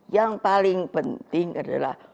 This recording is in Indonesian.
yang paling penting adalah